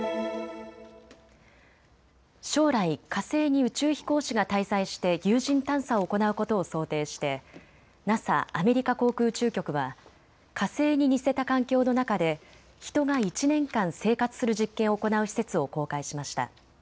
将来、火星に宇宙飛行士が滞在して有人探査を行うことを想定してＮＡＳＡ・アメリカ航空宇宙局は火星に似せた環境の中で人が１年間生活する実験を行う施設を公開しました。